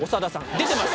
出てます。